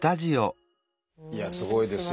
いやすごいですよ。